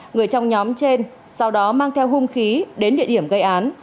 người trong nhóm trên sau đó mang theo hung khí đến địa điểm gây án